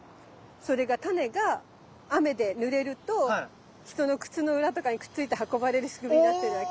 それがタネが雨でぬれると人の靴の裏とかにくっついて運ばれる仕組みになってるわけ。